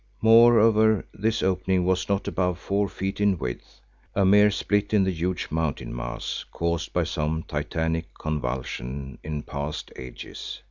Moreover, this opening was not above four feet in width, a mere split in the huge mountain mass caused by some titanic convulsion in past ages.